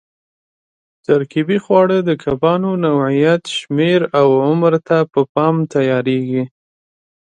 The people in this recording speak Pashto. ترکیبي خواړه د کبانو نوعیت، شمېر او عمر ته په پام تیارېږي.